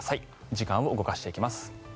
時間を動かしていきます。